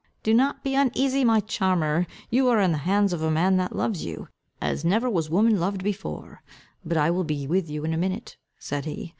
"Do not be uneasy, my charmer. You are in the hands of a man, that loves you, as never woman was loved before. But I will be with you in a minute," said he.